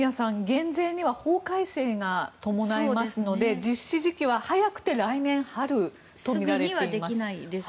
減税には法改正が伴いますので実施時期は早くて来年春とみられています。